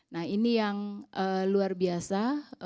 nah ini yang luar biasa